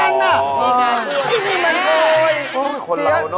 มึงกันคือ